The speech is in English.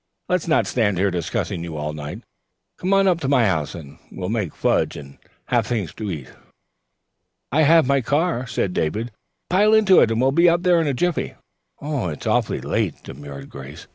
"Let's not stand here discussing you all night. Come on up to my house, and we'll make fudge and have things to eat." "I have my car here," said David. "Pile into it and we'll be up there in a jiffy." "It's awfully late," demurred Grace.